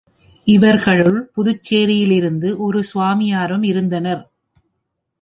இவர்களுள் புதுச்சேரியிலிருந்து ஒரு ஸ்வாமியாரும் இருந்தனர்.